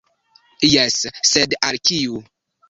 Jes, sed al kiu?